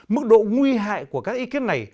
mức độ nguy hại của các ý kiến này